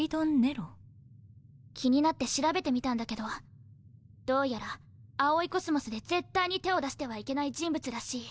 気になって調べてみたんだけどどうやら葵宇宙で絶対に手を出してはいけない人物らしい。